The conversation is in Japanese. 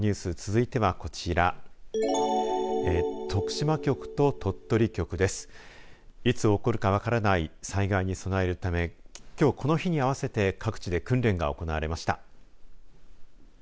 いつ起こるか分からない災害に備えるためきょうこの日に合わせて各地で訓練が行われました。